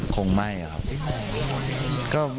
คงไม่ครับ